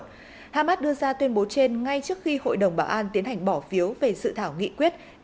trước hamas đưa ra tuyên bố trên ngay trước khi hội đồng bảo an tiến hành bỏ phiếu về sự thảo nghị quyết